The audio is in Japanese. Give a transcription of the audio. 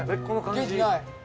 この感じ。